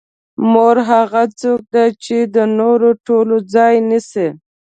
مور هغه څوک ده چې د نورو ټولو ځای نیسي.